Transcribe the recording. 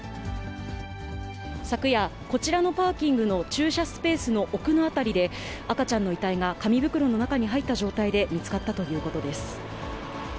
昨夜、こちらのパーキングの駐車スペースの奥の辺りで、赤ちゃんの遺体が紙袋の中に入った状態で見つかったということです。